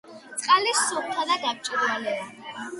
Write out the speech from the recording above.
წყალი სუფთა და გამჭვირვალეა.